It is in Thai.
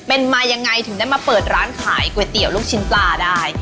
เป็นมายังไงถึงได้มาเปิดร้านขายก๋วยเตี๋ยวลูกชิ้นปลาได้